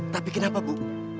tapi kenapa bu